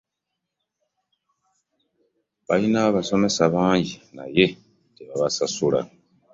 Balina abasomesa bangi naye tebabasasula.